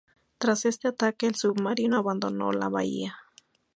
Tras este ataque, el submarino abandonó la bahía.